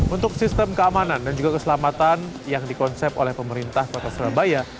untuk sistem keamanan dan juga keselamatan yang dikonsep oleh pemerintah kota surabaya